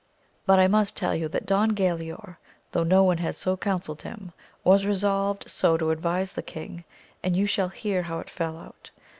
But I must tell you that Don Galaor, though no one had so counselled him, was resolved so to advise the king, and you shall hear how it fell out.